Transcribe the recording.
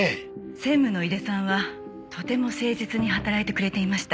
専務の井出さんはとても誠実に働いてくれていました。